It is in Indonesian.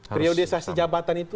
priorisasi jabatan itu